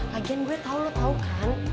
kajian gue tau lo tau kan